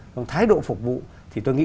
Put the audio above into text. trong thái độ phục vụ thì tôi nghĩ